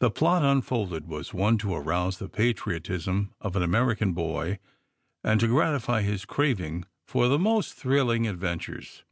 The plot unfolded was one to arouse the patriotism of an American boy, and to gratify his craving for the most thrilling adventures.